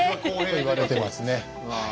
と言われてますね。